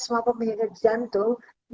semua pemihir jantung